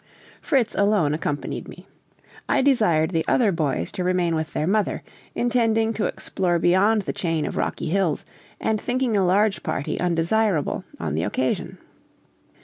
Fritz alone accompanied me. I desired the other boys to remain with their mother, intending to explore beyond the chain of rocky hills, and thinking a large party undesirable on the occasion.